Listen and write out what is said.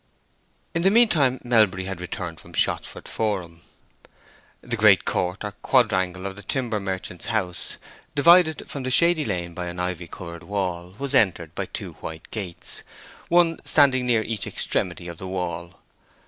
In the mean time Melbury had returned from Shottsford Forum. The great court or quadrangle of the timber merchant's house, divided from the shady lane by an ivy covered wall, was entered by two white gates, one standing near each extremity of the wall.